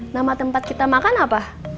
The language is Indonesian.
nama tempat kita makan apa